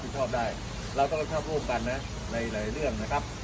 ชอบได้เราต้องรับผิดชอบร่วมกันนะในหลายเรื่องนะครับ